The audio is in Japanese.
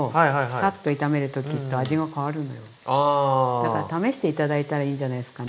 だから試して頂いたらいいんじゃないですかね。